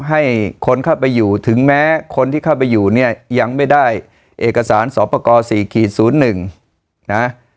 ให้คนเข้าไปอยู่ถึงแม้คนที่เข้าไปอยู่เนี่ยยังไม่ได้เอกสารสอบประกอบ๔๐๑นะ